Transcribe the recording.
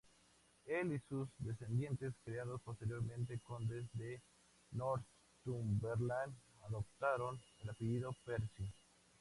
Él y sus descendientes, creados posteriormente condes de Northumberland, adoptaron el apellido Percy.